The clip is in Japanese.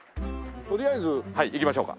とりあえず。はい行きましょうか。